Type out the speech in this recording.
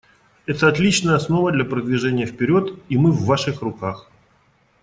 Это отличная основа для продвижения вперед, и мы в Ваших руках.